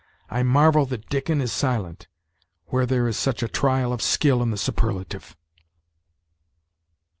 I marvel that Dickon is silent, where there is such a trial of skill in the superlative!"